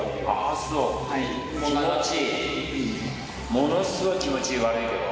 ものすごい気持ちいい悪いけど。